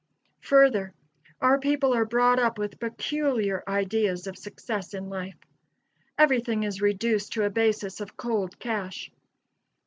Further, our people are brought up with peculiar ideas of success in life. Everything is reduced to a basis of cold cash.